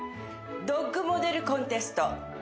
ドッグモデルコンテスト。